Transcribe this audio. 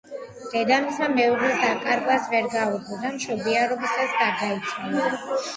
დედამისმა მეუღლის დაკარგვას ვერ გაუძლო და მშობიარობისას გარდაიცვალა.